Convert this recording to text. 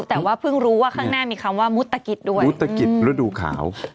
แต่ว่าเพิ่งรู้ว่าข้างหน้ามีคำว่ามุตกิจด้วยมุตกิจฤดูขาว